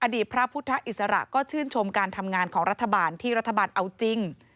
อดีตพระพุทธอิสระก็ชื่นชมการทำงานของรัฐบาลที่รัฐบาลเอาจริง